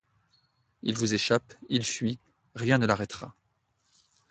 Il vous échappe, il fuit, rien ne l’arrêtera.